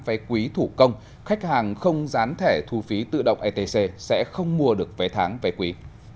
vé quý thủ công khách hàng không gián thẻ thu phí tự động etc sẽ không mua được vé tháng vé quý